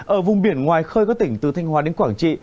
ở vùng biển ngoài khơi các tỉnh từ thanh hóa đến quảng trị